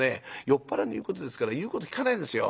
酔っ払いの言うことですから言うこと聞かないんですよ。